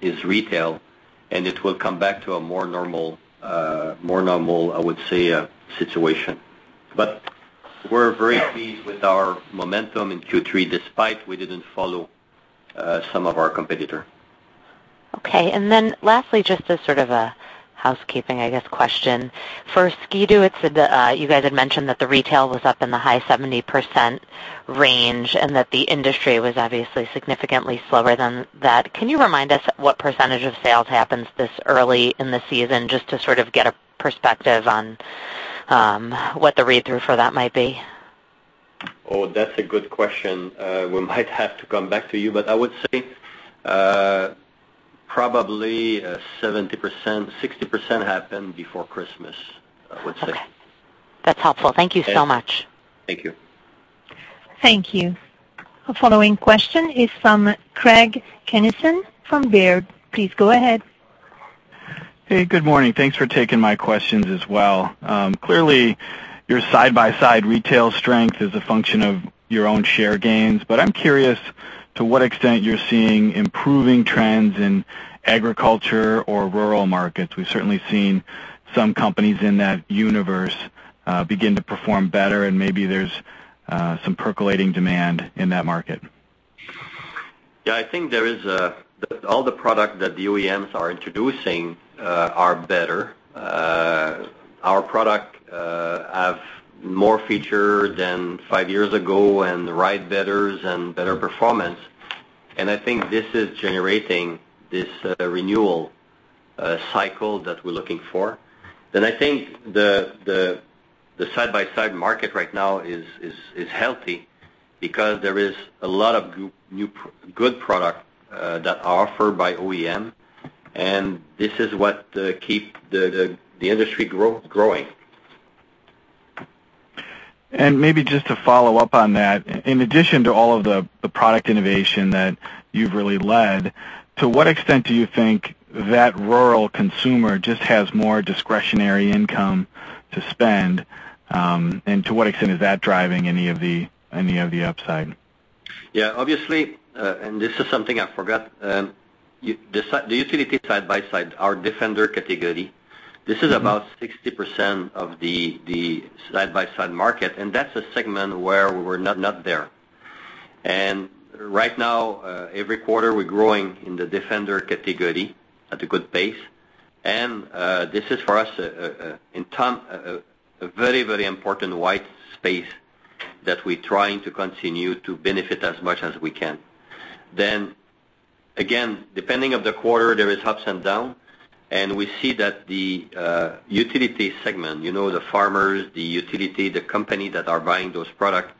is retail, and it will come back to a more normal, I would say, situation. We're very pleased with our momentum in Q3, despite we didn't follow some of our competitor. Okay. Lastly, just as sort of a housekeeping, I guess, question. For Ski-Doo, you guys had mentioned that the retail was up in the high 70% range and that the industry was obviously significantly slower than that. Can you remind us what percentage of sales happens this early in the season, just to sort of get a perspective on what the read-through for that might be? That's a good question. We might have to come back to you, but I would say probably 70%, 60% happened before Christmas, I would say. Okay. That's helpful. Thank you so much. Thank you. Thank you. Our following question is from Craig Kennison from Baird. Please go ahead. Good morning. Thanks for taking my questions as well. Clearly, your side-by-side retail strength is a function of your own share gains. I'm curious to what extent you're seeing improving trends in agriculture or rural markets. We've certainly seen some companies in that universe begin to perform better. Maybe there's some percolating demand in that market. I think all the product that the OEMs are introducing are better. Our product have more feature than five years ago and ride better and better performance. I think this is generating this renewal cycle that we're looking for. I think the side-by-side market right now is healthy because there is a lot of good product that are offered by OEM. This is what keep the industry growing. Maybe just to follow up on that, in addition to all of the product innovation that you've really led, to what extent do you think that rural consumer just has more discretionary income to spend? To what extent is that driving any of the upside? Obviously, this is something I forgot. The utility side-by-side, our Defender category, this is about 60% of the side-by-side market. That's a segment where we were not there. Right now, every quarter, we're growing in the Defender category at a good pace. This is for us, a very, very important white space that we're trying to continue to benefit as much as we can. Again, depending of the quarter, there is ups and down. We see that the utility segment, the farmers, the utility, the company that are buying those products,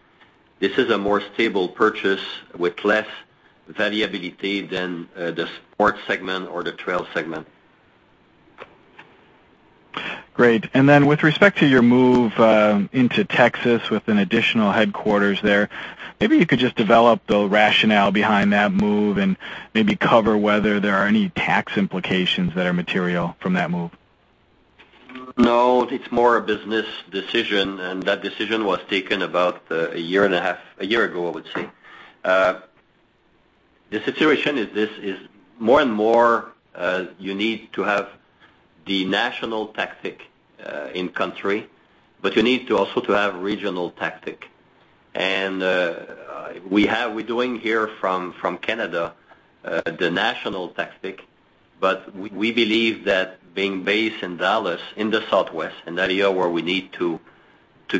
this is a more stable purchase with less variability than the sports segment or the trail segment. Great. With respect to your move into Texas with an additional headquarters there, maybe you could just develop the rationale behind that move and maybe cover whether there are any tax implications that are material from that move. No. It's more a business decision, that decision was taken about a year ago, I would say. The situation is this, is more and more you need to have the national tactic in country, but you need to also to have regional tactic. We're doing here from Canada, the national tactic, but we believe that being based in Dallas, in the Southwest, an area where we need to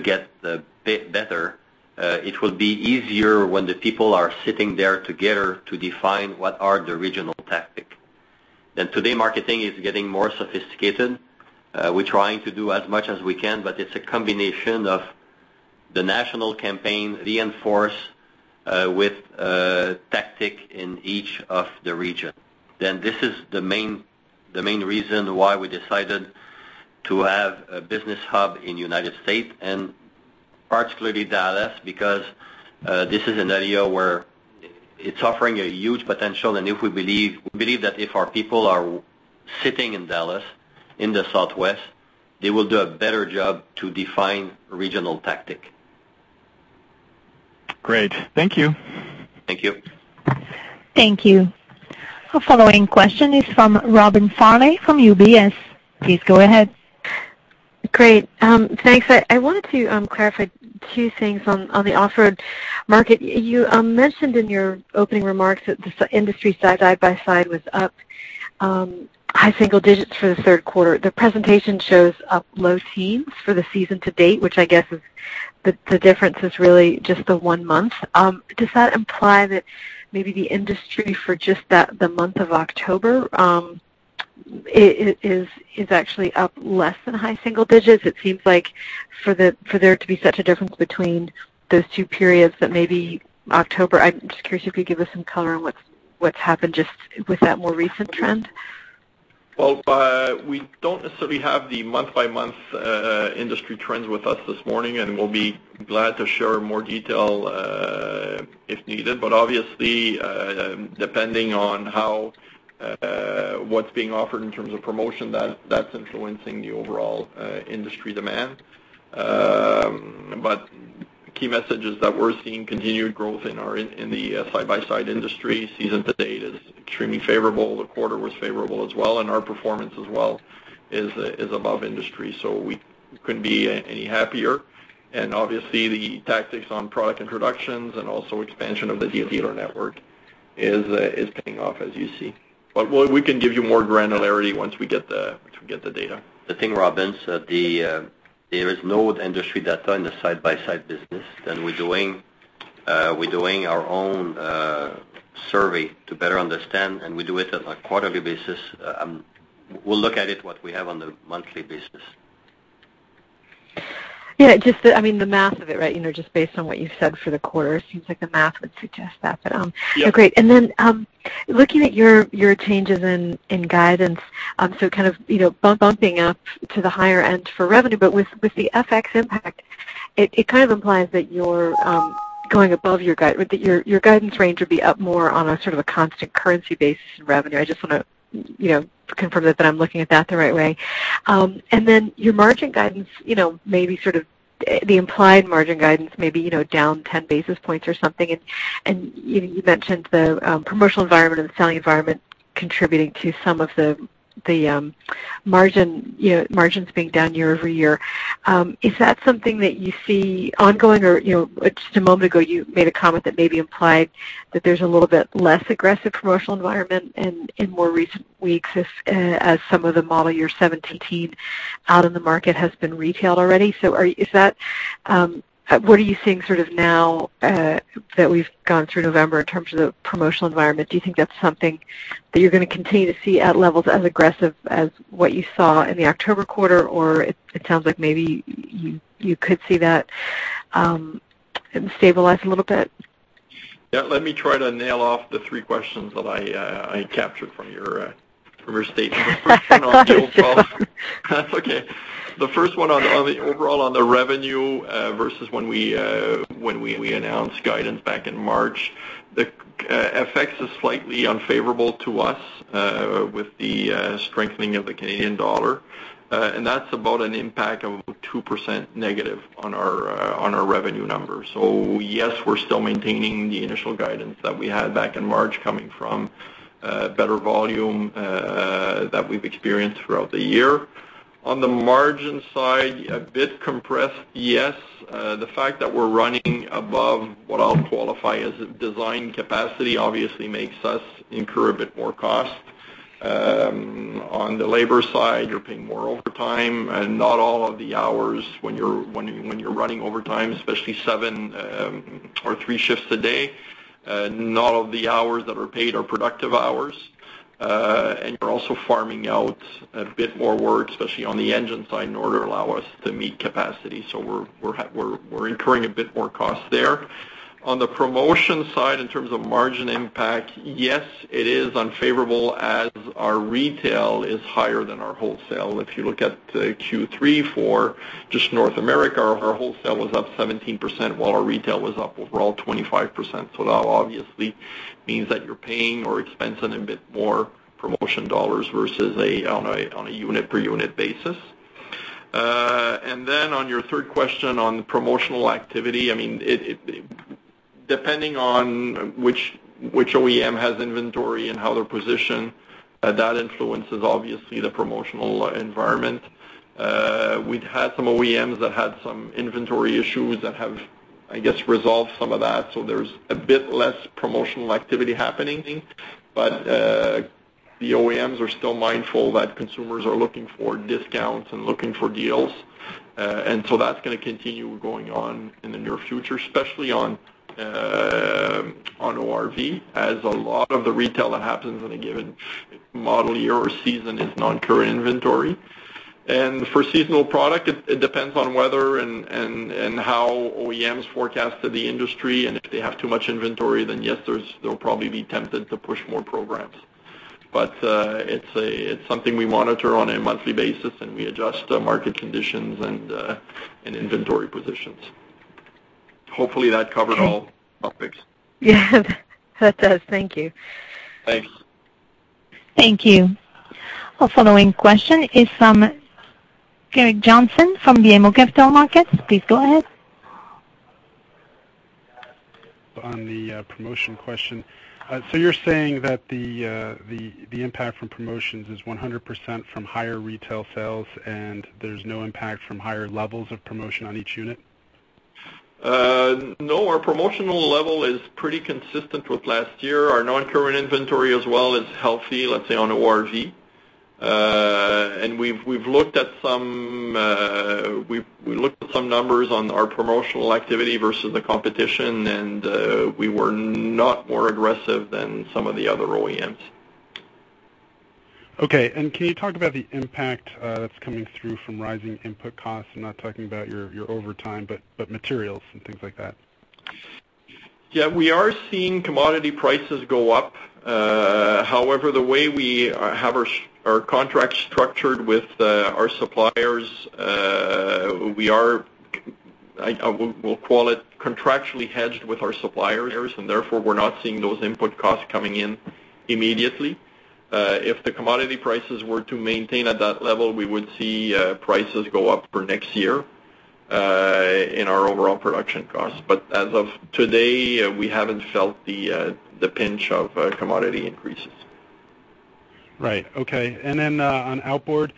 get better, it will be easier when the people are sitting there together to define what are the regional tactic. Today, marketing is getting more sophisticated. We're trying to do as much as we can, but it's a combination of the national campaign reinforced with tactic in each of the region. This is the main reason why we decided to have a business hub in United States, particularly Dallas, because this is an area where it's offering a huge potential, we believe that if our people are sitting in Dallas, in the Southwest, they will do a better job to define regional tactic. Great. Thank you. Thank you. Thank you. Our following question is from Robin Farley from UBS. Please go ahead. Great. Thanks. I wanted to clarify two things on the off-road market. You mentioned in your opening remarks that the industry side-by-side was up high single digits for the third quarter. The presentation shows up low teens for the season to date, which I guess the difference is really just the one month. Does that imply that maybe the industry for just the month of October is actually up less than high single digits? It seems like for there to be such a difference between those two periods, that maybe October, I'm just curious if you could give us some color on what's happened just with that more recent trend. Well, we don't necessarily have the month-by-month industry trends with us this morning, and we'll be glad to share more detail if needed, but obviously, depending on what's being offered in terms of promotion, that's influencing the overall industry demand. Key message is that we're seeing continued growth in the side-by-side industry. Season to date is extremely favorable. The quarter was favorable as well, and our performance as well is above industry, so we couldn't be any happier. Obviously, the tactics on product introductions and also expansion of the dealer network is paying off, as you see. We can give you more granularity once we get the data. The thing, Robin, there is no industry data in the side-by-side business. We're doing our own survey to better understand, and we do it on a quarterly basis. We'll look at it what we have on the monthly basis. Just the math of it, just based on what you said for the quarter, it seems like the math would suggest that, great. Yeah. Looking at your changes in guidance, kind of bumping up to the higher end for revenue, with the FX impact, it kind of implies that you're going above your guide, that your guidance range would be up more on a sort of a constant currency basis in revenue. I just want to confirm that I'm looking at that the right way. Your margin guidance, maybe sort of the implied margin guidance, maybe down 10 basis points or something. You mentioned the promotional environment and the selling environment contributing to some of the margins being down year-over-year. Is that something that you see ongoing or just a moment ago, you made a comment that maybe implied that there's a little bit less aggressive promotional environment in more recent weeks as some of the model year 2017 out in the market has been retailed already. What are you seeing sort of now that we've gone through November in terms of the promotional environment? Do you think that's something that you're going to continue to see at levels as aggressive as what you saw in the October quarter? It sounds like maybe you could see that stabilize a little bit. Yeah, let me try to nail off the three questions that I captured from your statement. I thought you would. That's okay. The first one on the overall on the revenue versus when we announced guidance back in March, the FX is slightly unfavorable to us with the strengthening of the Canadian dollar. That's about an impact of 2% negative on our revenue number. Yes, we're still maintaining the initial guidance that we had back in March coming from better volume that we've experienced throughout the year. On the margin side, a bit compressed, yes. The fact that we're running above what I'll qualify as design capacity obviously makes us incur a bit more cost. On the labor side, you're paying more overtime and not all of the hours when you're running overtime, especially seven or three shifts a day, not all of the hours that are paid are productive hours. You're also farming out a bit more work, especially on the engine side, in order to allow us to meet capacity. We're incurring a bit more cost there. On the promotion side, in terms of margin impact, yes, it is unfavorable as our retail is higher than our wholesale. If you look at Q3 for just North America, our wholesale was up 17% while our retail was up overall 25%. That obviously means that you're paying or expensing a bit more promotion dollars versus on a unit per unit basis. Then on your third question on promotional activity, depending on which OEM has inventory and how they're positioned, that influences, obviously, the promotional environment. We've had some OEMs that had some inventory issues that have, I guess, resolved some of that, so there's a bit less promotional activity happening. The OEMs are still mindful that consumers are looking for discounts and looking for deals. That's going to continue going on in the near future, especially on ORV, as a lot of the retail that happens in a given model year or season is non-current inventory. For seasonal product, it depends on weather and how OEMs forecasted the industry, and if they have too much inventory, then yes, they'll probably be tempted to push more programs. It's something we monitor on a monthly basis, and we adjust to market conditions and inventory positions. Hopefully that covered all topics. Yeah. That does. Thank you. Thanks. Thank you. Our following question is from Gerrick Johnson from BMO Capital Markets. Please go ahead. On the promotion question, you're saying that the impact from promotions is 100% from higher retail sales and there's no impact from higher levels of promotion on each unit? No, our promotional level is pretty consistent with last year. Our non-current inventory as well is healthy, let's say, on ORV. We've looked at some numbers on our promotional activity versus the competition, and we were not more aggressive than some of the other OEMs. Okay, can you talk about the impact that's coming through from rising input costs? I'm not talking about your overtime, but materials and things like that. We are seeing commodity prices go up. However, the way we have our contract structured with our suppliers, we'll call it contractually hedged with our suppliers, and therefore, we're not seeing those input costs coming in immediately. If the commodity prices were to maintain at that level, we would see prices go up for next year in our overall production costs. As of today, we haven't felt the pinch of commodity increases. Right. Okay. Then on outboard,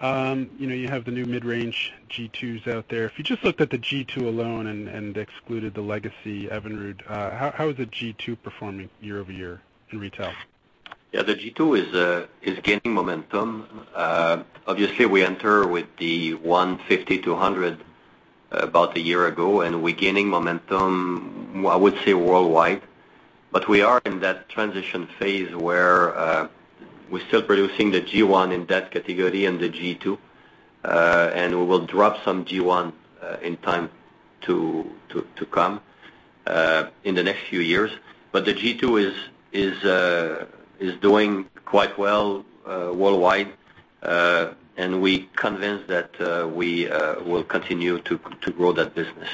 you have the new mid-range G2s out there. If you just looked at the G2 alone and excluded the legacy Evinrude, how is the G2 performing year-over-year in retail? Yeah, the G2 is gaining momentum. Obviously, we enter with the 150 to 100 about a year ago, and we're gaining momentum, I would say, worldwide. We are in that transition phase where we're still producing the G1 in that category and the G2, and we will drop some G1 in time to come in the next few years. The G2 is doing quite well worldwide, and we're convinced that we will continue to grow that business.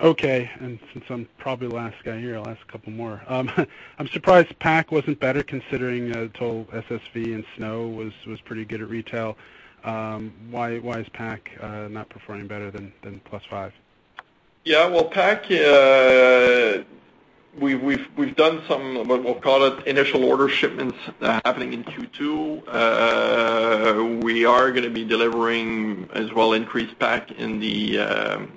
Okay. Since I'm probably the last guy here, I'll ask a couple more. I'm surprised PAC wasn't better considering tow, SSV, and snow was pretty good at retail. Why is PAC not performing better than plus 5%? Yeah. Well, PAC, we've done some, we'll call it initial order shipments happening in Q2. We are going to be delivering as well increased PAC in the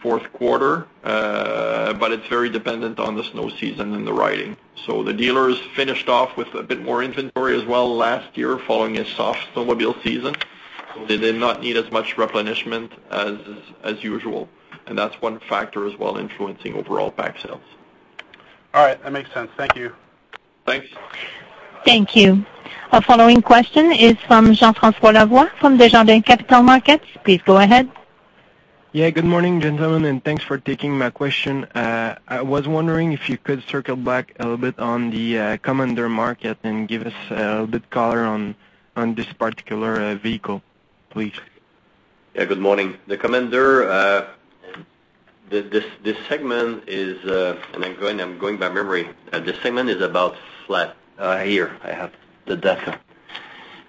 fourth quarter. It's very dependent on the snow season and the riding. The dealers finished off with a bit more inventory as well last year following a soft snowmobile season, so they did not need as much replenishment as usual, and that's one factor as well influencing overall PAC sales. All right. That makes sense. Thank you. Thanks. Thank you. Our following question is from Jean-François Lavoie from Desjardins Capital Markets. Please go ahead. Yeah, good morning, gentlemen, and thanks for taking my question. I was wondering if you could circle back a little bit on the Commander market and give us a bit color on this particular vehicle, please. Yeah. Good morning. The Commander, this segment is and I'm going by memory. This segment is about flat. Here, I have the data.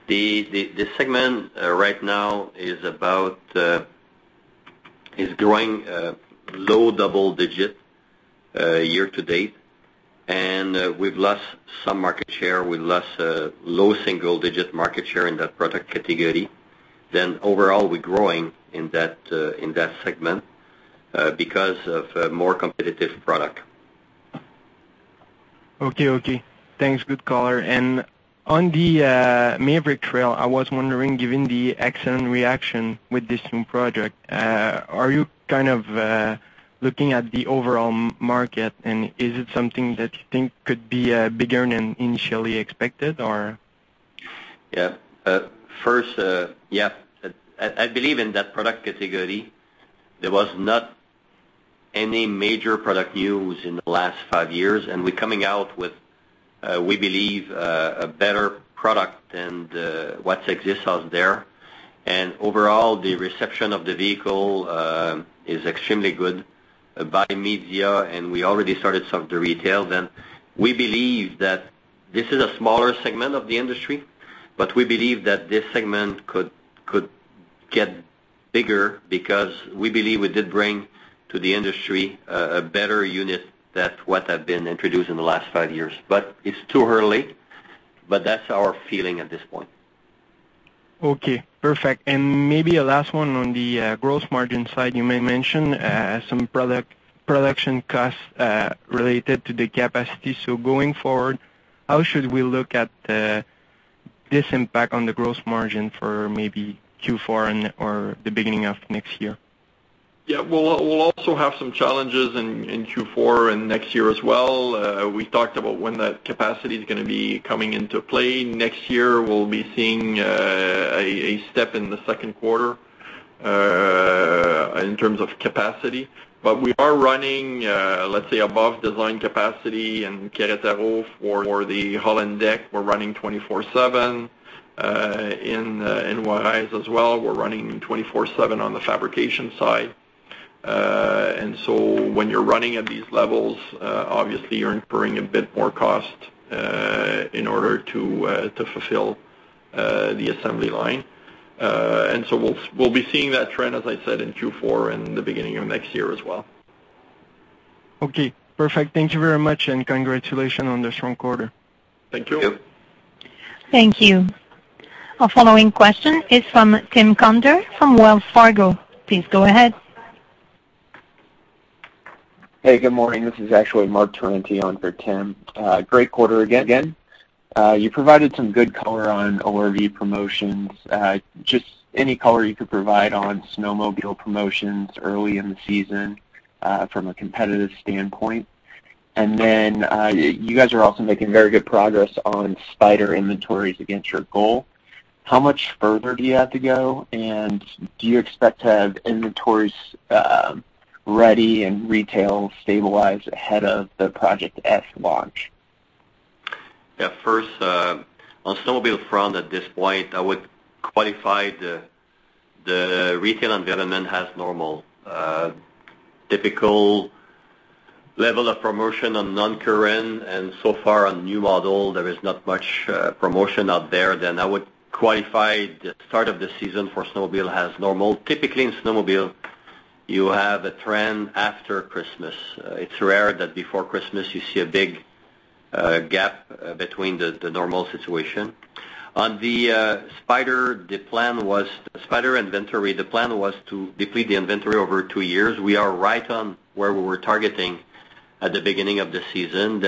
The segment right now is growing low double digit year to date, and we've lost some market share. We lost low single digit market share in that product category. Overall, we're growing in that segment because of more competitive product. Okay. Thanks. Good color. On the Maverick Trail, I was wondering, given the excellent reaction with this new project, are you kind of looking at the overall market, and is it something that you think could be bigger than initially expected or? Yeah. First, I believe in that product category, there was not any major product news in the last five years, we're coming out with, we believe, a better product than what exists out there. Overall, the reception of the vehicle is extremely good by media, we already started some of the retail. We believe that this is a smaller segment of the industry, we believe that this segment could get bigger because we believe we did bring to the industry a better unit than what have been introduced in the last five years. It's too early, that's our feeling at this point. Okay, perfect. Maybe a last one on the gross margin side. You may mention some production costs related to the capacity. Going forward, how should we look at this impact on the gross margin for maybe Q4 or the beginning of next year? Yeah. We'll also have some challenges in Q4 and next year as well. We talked about when that capacity's going to be coming into play. Next year, we'll be seeing a step in the second quarter in terms of capacity. We are running, let's say, above design capacity in Querétaro for the hull and deck. We're running 24/7 in Juárez as well. We're running 24/7 on the fabrication side. When you're running at these levels, obviously you're incurring a bit more cost in order to fulfill the assembly line. We'll be seeing that trend, as I said, in Q4 and the beginning of next year as well. Okay, perfect. Thank you very much, congratulations on the strong quarter. Thank you. Thank you. Thank you. Our following question is from Tim Conder from Wells Fargo. Please go ahead. Hey, good morning. This is actually Marc Torrente on for Tim. Great quarter again. You provided some good color on ORV promotions. Just any color you could provide on snowmobile promotions early in the season from a competitive standpoint? Then you guys are also making very good progress on Spyder inventories against your goal. How much further do you have to go, and do you expect to have inventories ready and retail stabilized ahead of the Project S launch? First, on snowmobile front at this point, I would qualify the retail environment as normal. Typical level of promotion on non-current and so far on new model, there is not much promotion out there. I would qualify the start of the season for snowmobile as normal. Typically, in snowmobile, you have a trend after Christmas. It's rare that before Christmas you see a big gap between the normal situation. On the Spyder inventory, the plan was to deplete the inventory over 2 years. We are right on where we were targeting at the beginning of the season.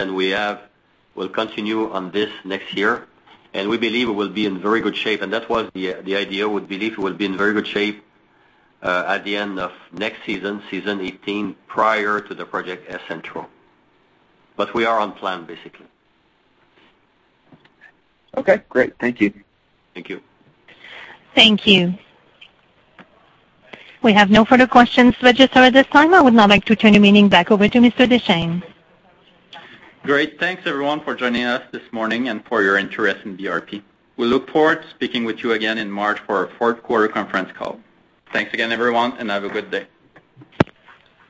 We'll continue on this next year, and we believe it will be in very good shape. That was the idea. We believe it will be in very good shape at the end of next season 2018, prior to the Project S intro. We are on plan, basically. Okay, great. Thank you. Thank you. Thank you. We have no further questions registered at this time. I would now like to turn the meeting back over to Mr. Deschênes. Great. Thanks, everyone, for joining us this morning and for your interest in BRP. We look forward to speaking with you again in March for our fourth quarter conference call. Thanks again, everyone, and have a good day.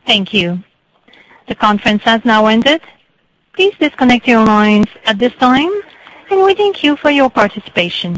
Thank you. The conference has now ended. Please disconnect your lines at this time, and we thank you for your participation.